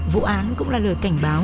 vụ án cũng là lời cảnh báo